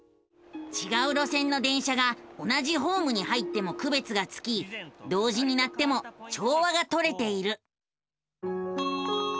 ちがう路線の電車が同じホームに入ってもくべつがつき同時に鳴っても調和がとれている。